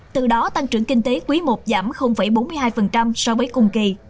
từ đó tăng trưởng kinh tế quý i giảm bốn mươi hai so với cùng kỳ